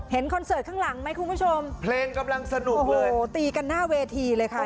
คอนเสิร์ตข้างหลังไหมคุณผู้ชมเพลงกำลังสนุกเลยโอ้โหตีกันหน้าเวทีเลยค่ะ